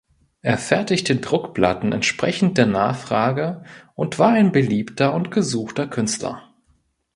Er fertigte Druckplatten entsprechend der Nachfrage und war ein beliebter und gesuchter Künstler.